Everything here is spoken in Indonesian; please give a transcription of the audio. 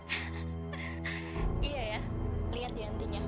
iya ya lihat jantinya